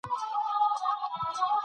انسانانو له پخوا راهیسې لېوالتیا لرله.